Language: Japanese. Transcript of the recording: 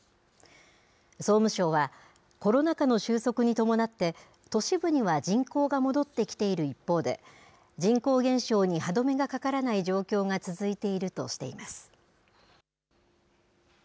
総務省は、コロナ禍の収束に伴って、都市部には人口が戻ってきている一方で、人口減少に歯止めがかからない状況が続いているとしています。